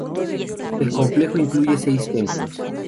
El complejo incluye seis templos.